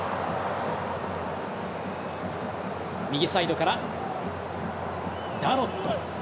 右サイドからダロット。